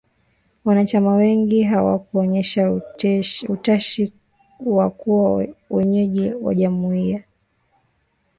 Wanachama wengine hawakuonyesha utashi wa kuwa wenyeji wa Jumuiya.